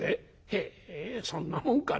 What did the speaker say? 「へえそんなもんかね」。